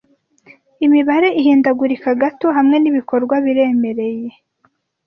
Imibare ihindagurika gato hamwe nibikorwa biremereye